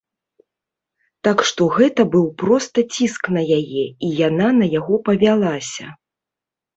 Так што гэта быў проста ціск на яе і яна на яго павялася.